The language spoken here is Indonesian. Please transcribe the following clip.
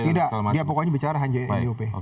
tidak dia pokoknya bicara hanya ngop